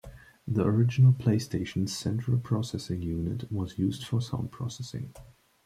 The original PlayStation's central processing unit was used for sound processing.